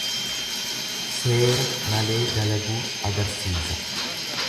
Seera malee dalaguu agarsiisa.